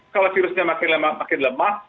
kalau virusnya makin lemah makin lemah